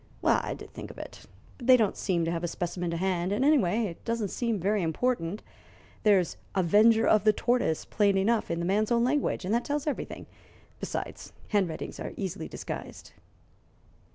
"I did think of it, but they don't seem to have a specimen to hand, and, anyway, it doesn't seem very important. There's 'avenger of the tortoise' plain enough, in the man's own language, and that tells everything. Besides, handwritings are easily disguised."